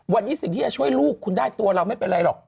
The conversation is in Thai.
วันนี้สิ่งที่จะช่วยลูกคุณได้ตัวเราไม่เป็นไรหรอก